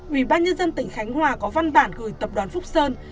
ubnd tỉnh khánh hòa có văn bản gửi tập đoàn phúc sơn